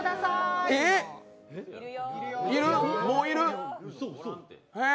もういる？